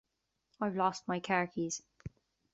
I've lost my car keys.